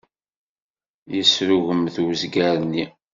Yesrugmet uzger-nni.